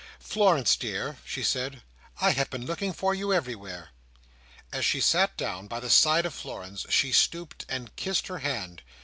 "Florence, dear," she said, "I have been looking for you everywhere." As she sat down by the side of Florence, she stooped and kissed her hand.